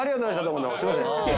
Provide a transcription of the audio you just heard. すいません。